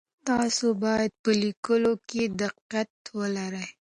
تاسو باید په لیکلو کي دقت ولرئ.